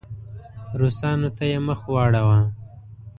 روسانو ته یې مخ واړاوه.